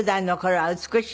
はい。